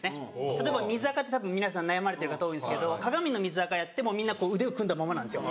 例えば水あかってたぶん皆さん悩まれてる方多いですけど鏡の水あかやってもみんな腕を組んだままなんですよ。